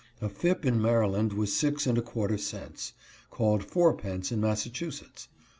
A ftp in Maryland was six and a quarter cents, called fourpence in Massachusetts.